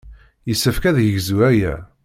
Yessefk ad yegzu aya.